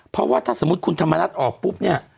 เพราะว่าถ้าสมมุติคุณธรรมนัฐออกปุ๊บเนี่ย